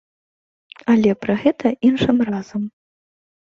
Але пра гэта іншым разам.